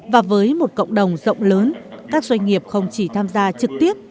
và với một cộng đồng rộng lớn các doanh nghiệp không chỉ tham gia trực tiếp